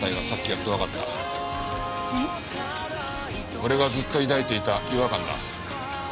俺がずっと抱いていた違和感だ。